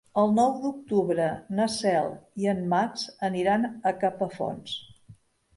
El nou d'octubre na Cel i en Max aniran a Capafonts.